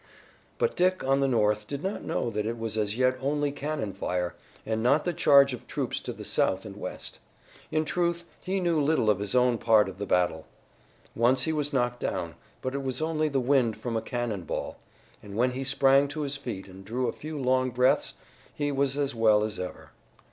But Dick, on the north, did not know that it was as yet only cannon fire, and not the charge of troops to the south and west. In truth, he knew little of his own part of the battle. Once he was knocked down, but it was only the wind from a cannon ball, and when he sprang to his feet and drew a few long breaths he was as well as ever.